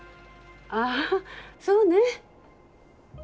ああそうね。